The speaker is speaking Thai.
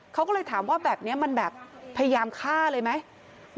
เขาก็เลยถามว่าแบบนี้มันแบบพยายามฆ่าเลยไหม